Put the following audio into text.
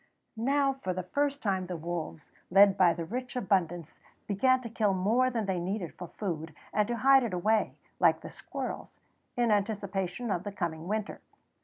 Now for the first time the wolves, led by the rich abundance, began to kill more than they needed for food and to hide it away, like the squirrels, in anticipation of the coming winter.